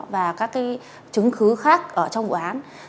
và các chứng cứ khác ở trong vụ án